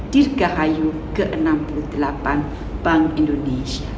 dirgahayu ke enam puluh delapan bank indonesia